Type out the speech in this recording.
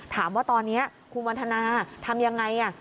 ถามว่าตอนนี้คุณวันทนาทำยังไง